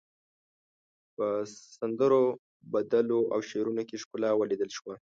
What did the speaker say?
په سندرو، بدلو او شعرونو کې ښکلا وليدل شوه.